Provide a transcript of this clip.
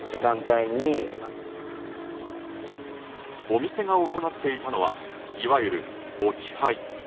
お店が行っていたのはいわゆる置き配。